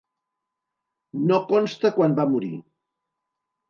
No consta quan va morir.